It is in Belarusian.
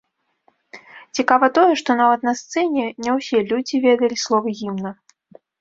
Цікава тое, што нават на сцэне не ўсе людзі ведалі словы гімна.